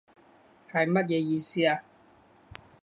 係乜嘢意思啊？